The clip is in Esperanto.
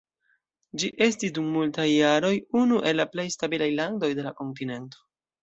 Ĝi estis dum multaj jaroj unu el la plej stabilaj landoj de la kontinento.